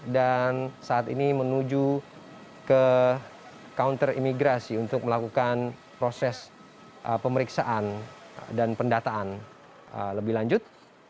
dan saat ini menuju ke counter imigrasi untuk melakukan proses pemeriksaan dan pendataan lebih lanjut